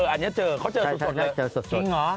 อันนี้เจอเขาเจอสด